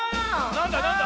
なんだなんだ？